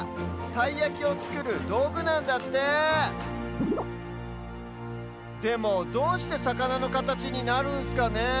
たいやきをつくるどうぐなんだってでもどうしてさかなのかたちになるんすかねえ。